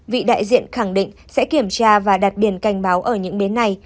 vị đại diện khẳng định sẽ kiểm tra và đặt biển cảnh báo ở những bến này